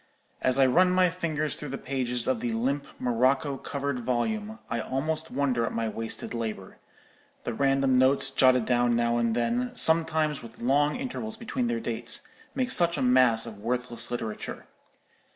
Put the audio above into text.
As I run my fingers through the pages of the limp morocco covered volume, I almost wonder at my wasted labour;—the random notes, jotted down now and then, sometimes with long intervals between their dates, make such a mass of worthless literature.